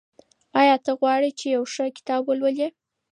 آیا ته غواړې چې یو ښه کتاب ولولې؟